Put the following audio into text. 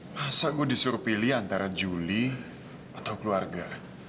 masa gue disuruh pilih antara juli atau keluarga